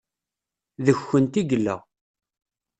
Deg-kent i yella.